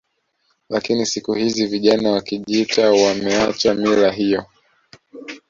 Lakini siku hizi vijana wa Kijita wameacha mila hiyo